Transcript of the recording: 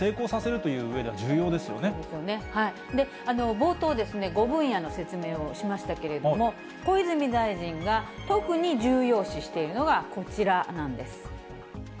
冒頭、５分野の説明をしましたけれども、小泉大臣が特に重要視しているのがこちらなんです。